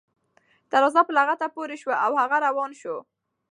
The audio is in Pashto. دروازه په لغته پورې شوه او هغه روان شو.